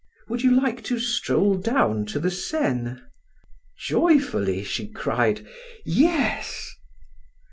"Would you like to stroll down to the Seine?" Joyfully she cried: "Yes."